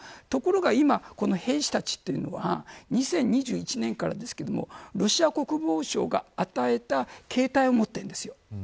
ところが今この兵士たちというのは２０２１年からですがロシア国防省が与えた携帯を持っているんです。